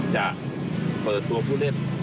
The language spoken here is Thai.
จะเปิดตัวผู้เล่น